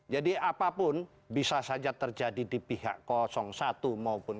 jadi apapun bisa saja terjadi di pihak satu maupun dua